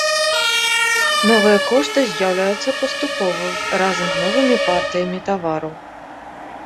Новыя кошты з'яўляюцца паступова, разам з новымі партыямі тавару.